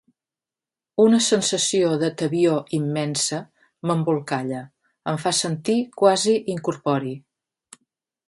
Una sensació de tebior immensa m'embolcalla, em fa sentir quasi incorpori.